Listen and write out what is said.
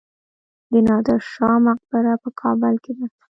د نادر شاه مقبره په کابل کې ده